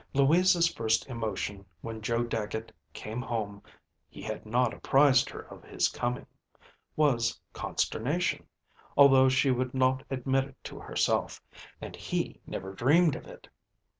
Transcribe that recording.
Louisa's first emotion when Joe Dagget came home (he had not apprised her of his coming) was consternation, although she would not admit it to herself, and he never dreamed of it.